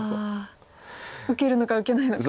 受けるのか受けないのか。